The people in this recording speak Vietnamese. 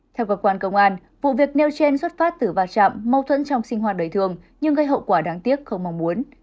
theo cơ quan công an vụ việc nêu trên xuất phát từ va chạm mâu thuẫn trong sinh hoạt đời thường nhưng gây hậu quả đáng tiếc không mong muốn